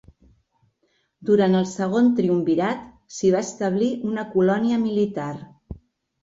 Durant el segon triumvirat s'hi va establir una colònia militar.